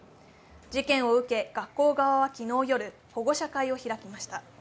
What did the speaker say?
事件を受け学校側は昨日夜、保護者会を開きました。